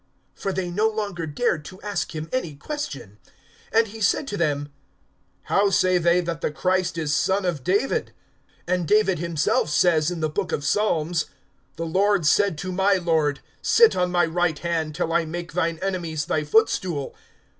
(40)For they no longer dared to ask him any question. (41)And he said to them: How say they that the Christ is son of David? (42)And David himself says in the book of Psalms: The LORD said to my Lord, Sit on my right hand, (43)Till I make thine enemies thy footstool.